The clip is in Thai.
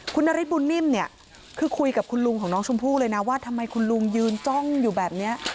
คุณนฤทธบุญนิ่มเนี่ยคือคุยกับคุณลุงของน้องชมพู่เลยนะว่าทำไมคุณลุงยืนจ้องอยู่แบบนี้